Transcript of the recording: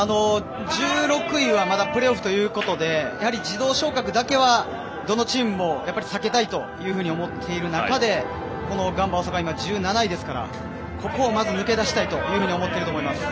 １６位はまだプレーオフということで自動降格だけはどのチームも避けたいと思っている中でガンバ大阪は１７位ですからここをまず抜け出したいと思っていると思います。